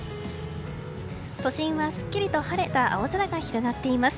都心はすっきりと晴れた青空が広がっています。